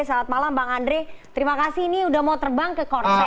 selamat malam bang andre terima kasih ini udah mau terbang ke konser